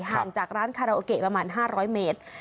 ห่างจากร้านคาราโอเกะประมาณ๕๐๐เมตร